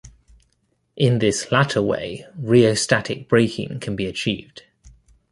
In this latter way "rheostatic" braking can be achieved.